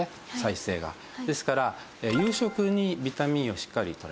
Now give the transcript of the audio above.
ですから夕食にビタミンＥをしっかりとる。